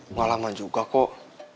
nggak lama juga kok